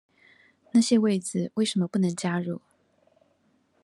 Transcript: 那些位子為什麼不能加入？